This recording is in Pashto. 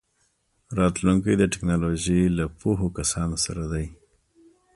راتلونکی د ټیکنالوژۍ له پوهو کسانو سره دی.